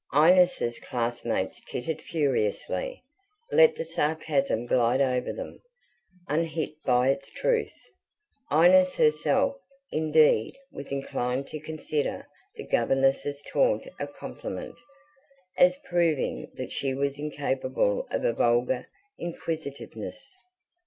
Inez's classmates tittered furiously, let the sarcasm glide over them, unhit by its truth. Inez herself, indeed, was inclined to consider the governess's taunt a compliment, as proving that she was incapable of a vulgar inquisitiveness.